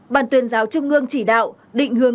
bàn tuyên giáo trung ương chỉ đạo định hướng